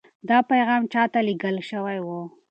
دا پیغام چا ته لېږل شوی و؟